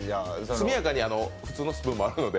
速やかに普通のスプーンもあるので。